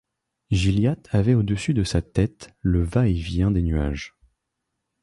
Gilliatt avait au-dessus de sa tête le va-et-vient des nuages.